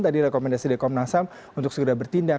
tadi rekomendasi dekomnasam untuk segera bertindak